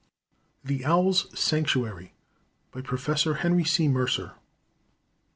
THE OWLS' SANCTUARY. PROF. HENRY C. MERCER.